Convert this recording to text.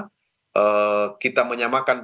kita menyamakan persatuan untuk berjuang bersama sama